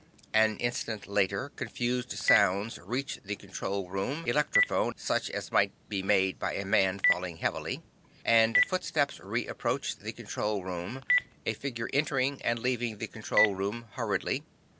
An instant later confused sounds reached the control room electrophone, such as might be made by a man falling heavily, and footsteps reapproached the control room, a figure entering and leaving the control room hurriedly.